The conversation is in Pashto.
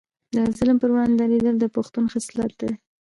د ظالم پر وړاندې دریدل د پښتون خصلت دی.